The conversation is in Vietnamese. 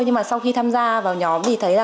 nhưng mà sau khi tham gia vào nhóm thì thấy là